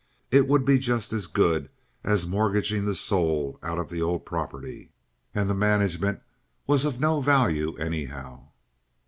It would be just as good as mortgaging the soul out of the old property, and the management was of no value, anyhow.